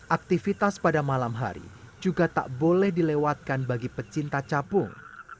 aktivitas pada malam hari juga tak boleh dilewatkan bagi pecinta capung